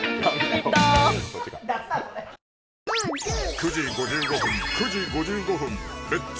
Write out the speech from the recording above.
９時５５分９時５５分「レッツ！